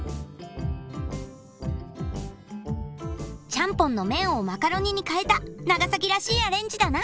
ちゃんぽんのめんをマカロニにかえた長崎らしいアレンジだな！